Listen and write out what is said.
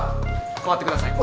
代わってください。